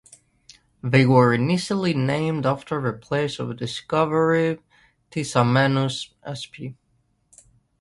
They were initially named after their place of discovery "Tisamenus" sp.